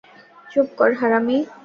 চুপ কর, হারামী।